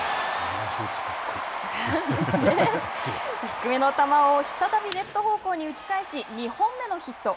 低めの球を再び逆方向に打ち返し２本目のヒット。